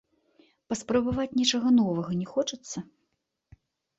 Паспрабаваць нечага новага не хочацца?